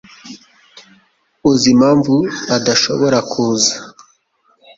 Uzi impamvu adashobora kuza?